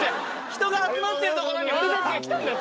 人が集まってる所に俺たちが来たんだよ。